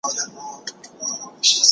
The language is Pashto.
د مځکي خلیفه د مځکي ابادولو ته اړتیا لري.